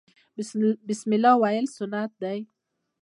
بسم الله ویل سنت دي